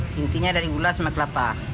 bikinnya dari ulas sama kelapa